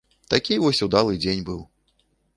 Такі вось удалы дзень быў.